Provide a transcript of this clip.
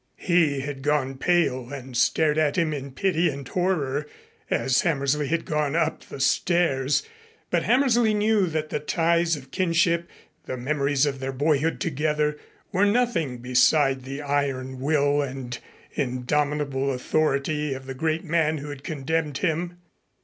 He had gone pale and stared at him in pity and horror as Hammersley had gone up the stairs, but Hammersley knew that the ties of kinship, the memories of their boyhood together, were nothing beside the iron will and indomitable authority of the great man who had condemned him.